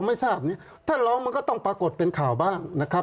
ไม่ทราบเนี่ยถ้าร้องมันก็ต้องปรากฏเป็นข่าวบ้างนะครับ